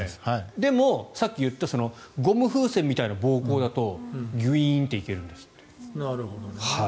でもさっき言ったゴム風船みたいな膀胱だとギュイーンっていけるんですって。